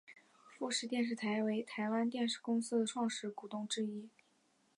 富士电视台为台湾电视公司的创始股东之一。